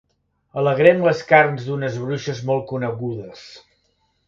Alegrem les carns d'unes bruixes molt conegudes.